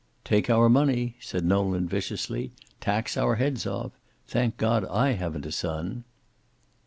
"Take our money," said Nolan viciously. "Tax our heads off. Thank God I haven't a son."